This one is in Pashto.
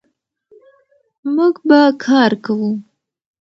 موږ به کار کوو.